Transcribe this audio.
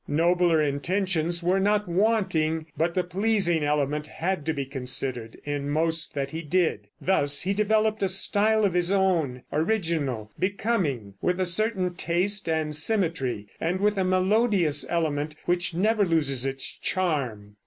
Nobler intentions were not wanting, but the pleasing element had to be considered in most that he did. Thus he developed a style of his own, original, becoming, with a certain taste and symmetry, and with a melodious element which never loses its charm.